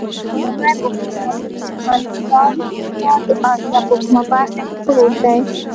لومړۍ پوښتنه: د ترکمنستان هېواد د اسیا په کومه برخه کې پروت دی؟